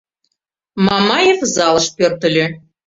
Мамаев залыш пӧртыльӧ.